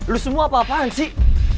lo semua apa apaan sih